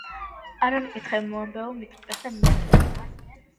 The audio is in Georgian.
არა მკითხე მოამბეო, მიტყიპეს და მიაგდესო.